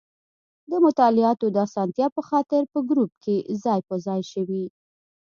د مطالعاتو د اسانتیا په خاطر په ګروپ کې ځای په ځای شوي.